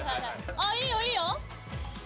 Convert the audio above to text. あっいいよいいよ！